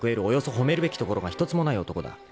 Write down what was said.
［およそ褒めるべきところが一つもない男だ］